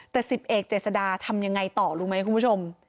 แต่๑๐เอกเจษดาทำยังไงต่อรู้ไหมคุณผู้ชม